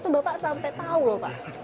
itu bapak sampai tahu loh pak